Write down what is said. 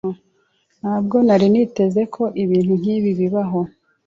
Ntabwo nari niteze ko ibintu nkibi bibaho.